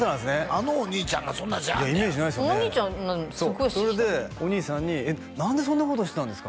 あのお兄ちゃんがそんなんしはんねやこのお兄ちゃんすごいしてきたお兄さんに「何でそんなことしてたんですか？」